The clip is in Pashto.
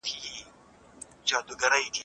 انسانان په مځکه کي ازمیښتونه تیروي.